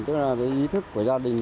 tức là ý thức của gia đình